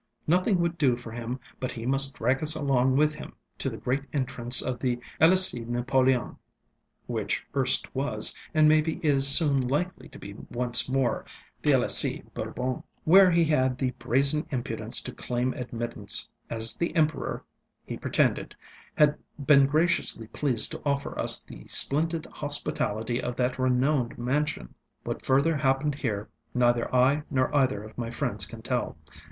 Nothing would do for him but he must drag us along with him to the great entrance of the Elys├®e Napol├®on (which erst was, and maybe is soon likely to be once more, the Elys├®e Bourbon), where he had the brazen impudence to claim admittance, as the Emperor, he pretended, had been graciously pleased to offer us the splendid hospitality of that renowned mansion. What further happened here, neither I nor either of my friends can tell.